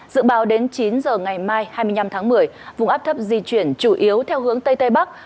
dự báo đến chín giờ ngày mai hai mươi năm tháng một mươi vùng áp thấp di chuyển chủ yếu theo hướng tây tây bắc